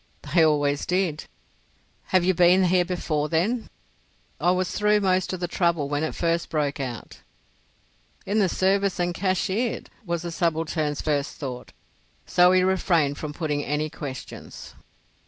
"They always did." "Have you been here before, then?" "I was through most of the trouble when it first broke out." "In the service and cashiered," was the subaltern's first thought, so he refrained from putting any questions.